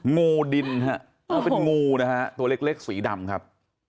งูดินฮะเป็นงูนะฮะตัวเล็กสีดำครับ